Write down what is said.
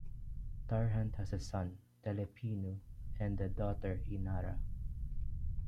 Tarhunt has a son, Telepinu and a daughter, Inara.